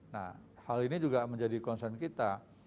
nah hal ini juga menjadi concern kita